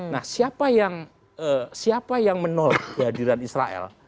nah siapa yang menolak kehadiran israel